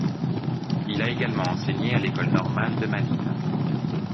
Il a également enseigné à l'école normale de Malines.